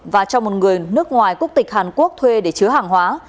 và cho một người nước ngoài quốc tịch hàn quốc thuê để chứa hàng hóa